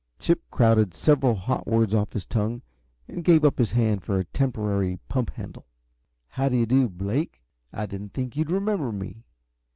Chip crowded several hot words off his tongue, and gave up his hand for a temporary pump handle. "How do you do, Blake? I didn't think you'd remember me."